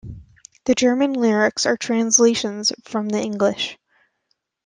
The German lyrics are translations from the English.